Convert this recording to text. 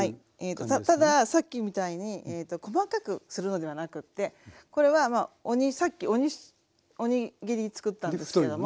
たださっきみたいに細かくするのではなくってこれはさっき鬼切りにつくったんですけども。